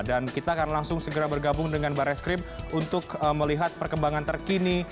dan kita akan langsung segera bergabung dengan barres krim untuk melihat perkembangan terkini